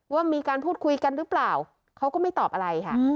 ว่ามีการพูดคุยกันหรือเปล่าเขาก็ไม่ตอบอะไรค่ะ